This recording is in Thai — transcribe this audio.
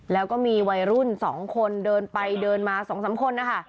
แล้วก็มีวัยรุ่นสองคนเดินไปเดินมาสองสามคนนะคะ